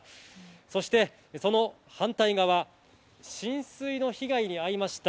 そしてその反対側、浸水の被害に遭いました。